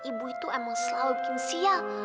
ibu itu emang selalu bikin sial